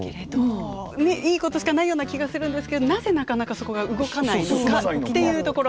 いいことしかないような気がするんですけどなぜなかなかそこが動かないのかっていうところ。